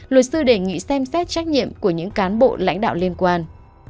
luật sư đề nghị xem xét trách nhiệm của những cán bộ lãnh đạo liên quan